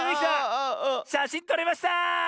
しゃしんとれました！